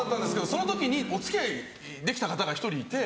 その時にお付き合いできた方が１人いて。